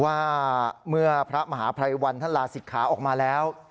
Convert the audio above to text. ว่าเมื่อพระมหาพรายวรรณท่านลาศิษย์ขาออกมาแล้ว